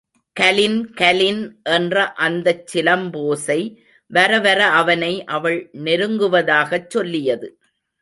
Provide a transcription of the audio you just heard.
கலின் கலின் என்ற அந்தச் சிலம்போசை வரவர அவனை அவள் நெருங்குவதாகச் சொல்லியது.